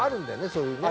そういうね。